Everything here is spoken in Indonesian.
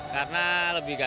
karena lebih gagal